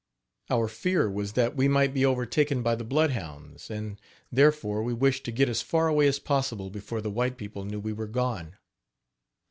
Our fear was that we might be overtaken by the bloodhounds; and, therefore, we wished to get as far away as possible before the white people knew we were gone.